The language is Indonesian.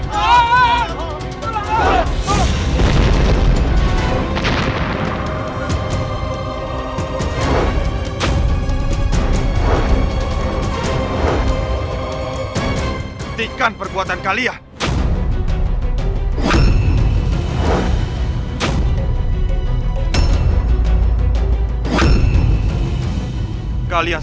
hentikan perbuatan kalian